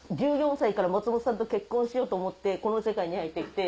１４歳から松本さんと結婚しようと思ってこの世界に入って来て。